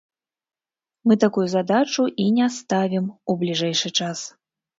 Мы такую задачу і не ставім у бліжэйшы час.